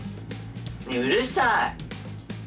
ねえうるさい。